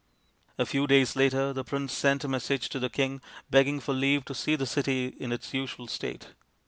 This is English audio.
A few days later the prince sent a message to the THE PRINCE WONDERFUL 175 king, begging for leave to see the city in its usual state.